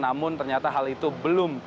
namun ternyata hal itu belum